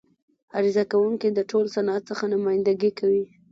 عرضه کوونکی د ټول صنعت څخه نمایندګي کوي.